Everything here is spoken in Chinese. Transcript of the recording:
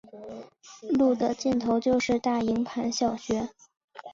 路的尽头就是大营盘小学。